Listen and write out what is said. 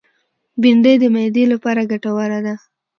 بېنډۍ د معدې لپاره ګټوره ده